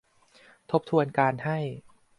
ทบทวนการให้